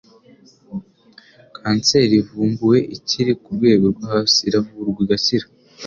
kanseri ivumbuwe ikiri ku rwego rwo hasi iravurwa igakira